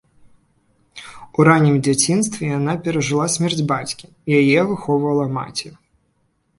У раннім дзяцінстве яна перажыла смерць бацькі, яе выхоўвала маці.